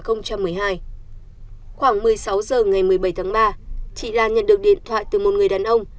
khoảng một mươi sáu h ngày một mươi bảy tháng ba chị lan nhận được điện thoại từ một người đàn ông